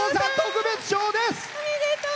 おめでとう！